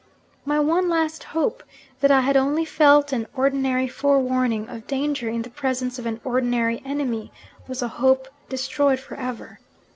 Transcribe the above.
My one last hope, that I had only felt an ordinary forewarning of danger in the presence of an ordinary enemy, was a hope destroyed for ever.